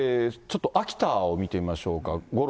ちょっと秋田を見てみましょうか。